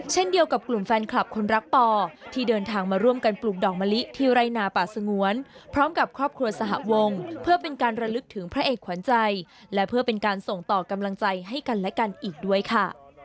เช่นเดียวกับกลุ่มแฟนคลับคนรักปอที่เดินทางมาร่วมกันปลูกดอกมะลิที่ไร่นาป่าสงวนพร้อมกับครอบครัวสหวงเพื่อเป็นการระลึกถึงพระเอกขวัญใจและเพื่อเป็นการส่งต่อกำลังใจให้กันและกันอีกด้วยค่ะ